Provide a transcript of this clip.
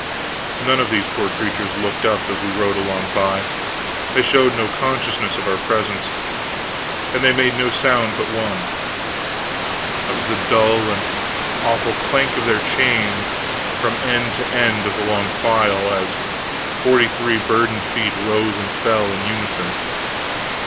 None of these poor creatures looked up as we rode along by; they showed no consciousness of our presence. And they made no sound but one; that was the dull and awful clank of their chains from end to end of the long file, as forty three burdened feet rose and fell in unison.